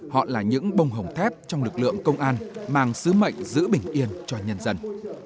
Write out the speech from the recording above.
họ là những bông hồng thép trong lực lượng công an mang sứ mệnh giữ bình yên cho nhân dân